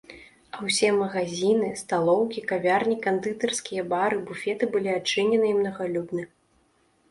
А ўсе магазіны, сталоўкі, кавярні, кандытарскія, бары, буфеты былі адчынены і мнагалюдны.